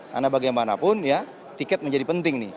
karena bagaimanapun tiket menjadi penting